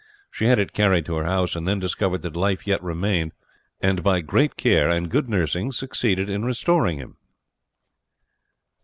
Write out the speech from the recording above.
She had it carried to her house, and then discovered that life yet remained, and by great care and good nursing succeeded in restoring him.